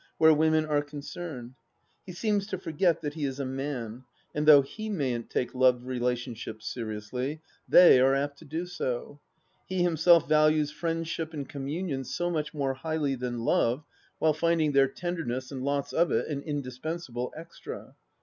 — where women are con cerned. He seems to forget that he is a man, and though he majm't take love relationships seriously, they are apt to do so. He himself values friendship and communion so much more highly than Love, while finding their tenderness, and lots of it, an indispensable extra.